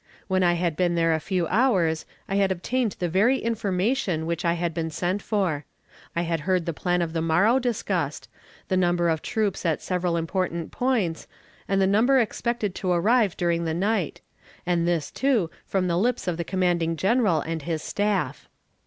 When I had been there a few hours, I had obtained the very information which I had been sent for. I had heard the plan of the morrow discussed, the number of troops at several important points, and the number expected to arrive during the night; and this, too, from the lips of the commanding general and his staff.